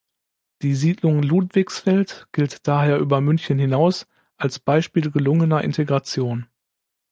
Die Siedlung Ludwigsfeld gilt daher über München hinaus als Beispiel gelungener Integration.